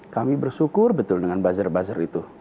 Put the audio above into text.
kami bersyukur betul dengan buzzer buzzer itu